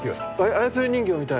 操り人形みたい。